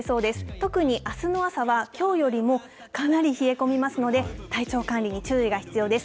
特にあすの朝はきょうよりもかなり冷え込みますので、体調管理に注意が必要です。